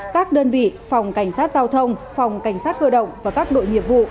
các đơn vị phòng cảnh sát giao thông phòng cảnh sát cơ động và các đội nghiệp vụ